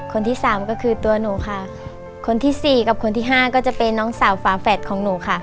คนที่สามก็คือตัวหนูค่ะคนที่สี่กับคนที่ห้าก็จะเป็นน้องสาวฝาแฝดของหนูค่ะ